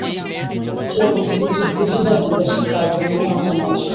কেবল প্রতি ভূতে তাঁর বিকাশের তারতম্য আছে মাত্র।